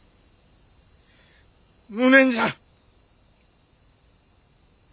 無念じゃ。